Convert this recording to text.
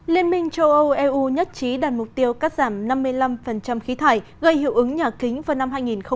liên minh châu âu eu nhất trí đạt mục tiêu cắt giảm năm mươi năm khí thải gây hiệu ứng nhà kính vào năm hai nghìn ba mươi